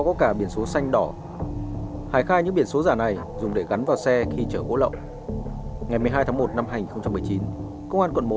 rồi trong đó những biển số xe ô tô để mà thực hiện hành vi tội phạm